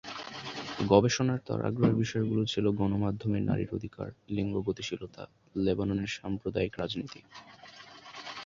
গবেষণার তার আগ্রহের বিষয়গুলো ছিল গণমাধ্যমে নারীর অধিকার, লিঙ্গ গতিশীলতা এবং লেবাননের সাম্প্রদায়িক রাজনীতি।